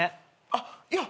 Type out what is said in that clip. あっいや